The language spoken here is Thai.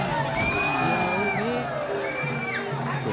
แต่ลูกนี้